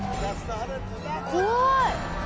怖い！